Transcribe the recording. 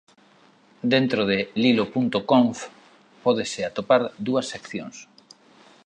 Dentro de lilo.conf pódese atopar dúas seccións.